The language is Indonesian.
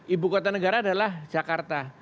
ibu kota negara adalah jakarta